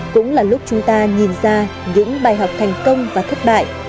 cũng là lúc chúng ta nhìn ra những bài học thành công và thất bại